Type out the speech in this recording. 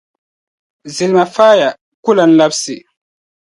Zilima faaya ku lan labisi.